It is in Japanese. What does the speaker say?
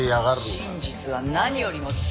「真実は何よりも強いのよ」